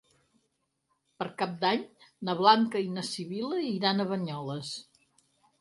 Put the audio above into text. Per Cap d'Any na Blanca i na Sibil·la iran a Banyoles.